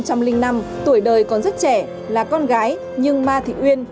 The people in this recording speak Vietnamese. sinh năm hai nghìn năm tuổi đời còn rất trẻ là con gái nhưng ma thị uyên